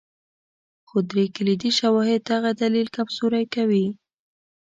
خو درې کلیدي شواهد دغه دلیل کمزوری کوي.